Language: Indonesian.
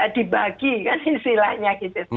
dibagi kan silahnya gitu